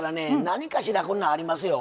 何かしらこんなんありますよ。